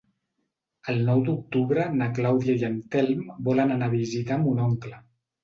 El nou d'octubre na Clàudia i en Telm volen anar a visitar mon oncle.